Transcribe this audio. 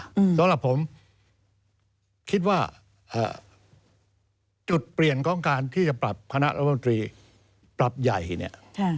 สำหรับผมคิดว่าจุดเปลี่ยนของการที่จะปรับคศปรับใหญ่เนี่ย